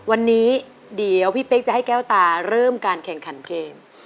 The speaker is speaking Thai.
วันนี้เดี๋ยวพี่เป๊กจะให้แก้วตาเริ่มการแข่งขันเกม